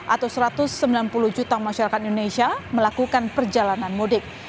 atau satu ratus sembilan puluh juta masyarakat indonesia melakukan perjalanan mudik